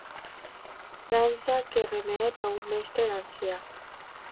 Dansa que remet a un mestre ancià.